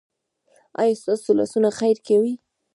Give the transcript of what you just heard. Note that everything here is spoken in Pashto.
ایا ستاسو لاسونه خیر کوي؟